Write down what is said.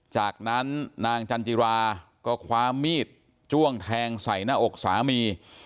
จากนั้นนางจันจิราก็คว้ามีดจ้วงแทงใส่หน้าอกสามี